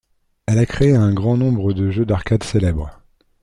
Elle a créé un grand nombre de jeux d'arcade célèbres.